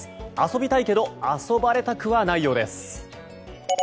遊びたいけど遊ばれたくはないようです。